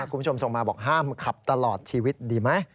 คุณผู้ชมส่งมาบอกห้ามขับตลอดชีวิตดีไหม